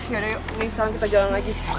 ya udah yuk ini sekarang kita jalan lagi